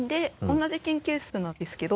同じ研究室なんですけど。